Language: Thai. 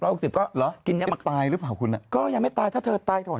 ร้อยสิบก็หรอกินยังไม่ตายหรือเปล่าคุณน่ะก็ยังไม่ตายถ้าเธอตายก่อน